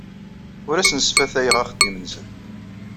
Ur asen-sfatayeɣ axeddim-nsen.